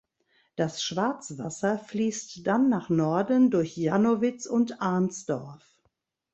Das Schwarzwasser fließt dann nach Norden durch Jannowitz und Arnsdorf.